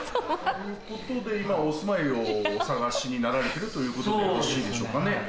ということで今お住まいをお探しになられてるということでよろしいでしょうかね。